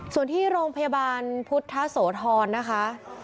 ส่วนที่โรงพยาบาลพุทธโสธรนะคะ